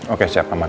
oke siap aman